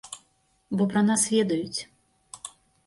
Бо пра нас ведаюць.